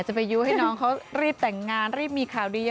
ไปยู้ให้น้องเขารีบแต่งงานรีบมีข่าวดี